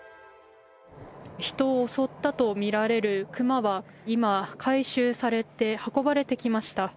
人を襲ったとみられる熊は今、回収されて運ばれてきました。